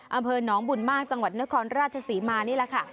อำเภอหนองบุญมากจังหวัดนครราชศรีมานี่แหละค่ะ